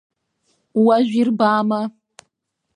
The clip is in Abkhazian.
Уажә ирбама!